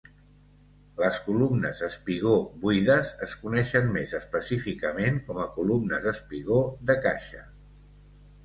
Les columnes espigó buides es coneixen més específicament com a columnes espigó de caixa.